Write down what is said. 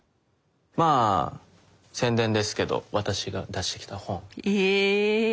まぁ宣伝ですけど私が出してきた本。え？